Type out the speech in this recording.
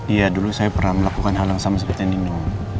iya dulu saya pernah melakukan hal yang sama seperti yang nino